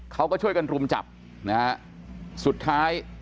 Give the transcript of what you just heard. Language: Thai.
เขาก็ช่วยกันรุมจับนะฮะสุดท้าย